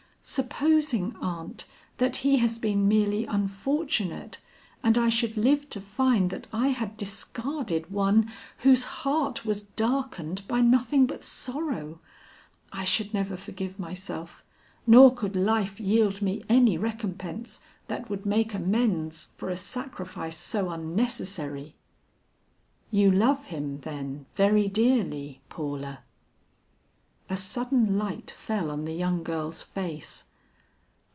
Supposing, aunt, that he has been merely unfortunate, and I should live to find that I had discarded one whose heart was darkened by nothing but sorrow? I should never forgive myself, nor could life yield me any recompense that would make amends for a sacrifice so unnecessary." "You love him, then, very dearly, Paula?" A sudden light fell on the young girl's face.